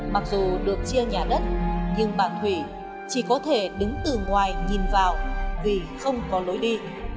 mặc dù được chia nhà đất nhưng bà thủy chỉ có thể đứng từ ngoài nhìn vào vì không có lối đi